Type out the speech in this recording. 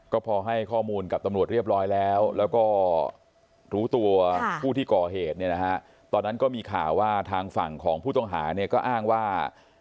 ก็พอให้ข้อมูลกับตำรวจเรียบร้อยแล้วแล้วก็รู้ตัวผู้ที่ก่อเหตุเนี่ยนะฮะตอนนั้นก็มีข่าวว่าทางฝั่งของผู้ต้องหาเนี่ยก็อ้างว่า